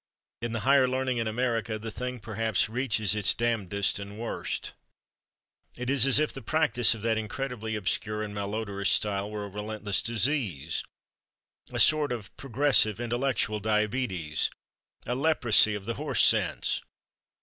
In "The Higher Learning in America" the thing perhaps reaches its damndest and worst. It is as if the practice of that incredibly obscure and malodorous style were a relentless disease, a sort of progressive intellectual diabetes, a leprosy of the horse sense.